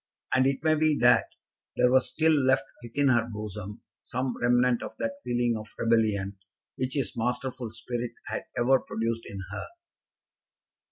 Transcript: And it may be that there was still left within her bosom some remnant of that feeling of rebellion which his masterful spirit had ever produced in her.